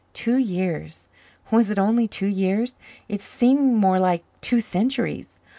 Two years! Was it only two years? It seemed more like two centuries.